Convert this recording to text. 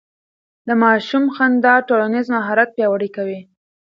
د ماشوم خندا ټولنيز مهارت پياوړی کوي.